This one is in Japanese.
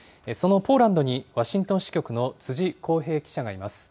そのポーランドにワシントン支局の辻浩平記者がいます。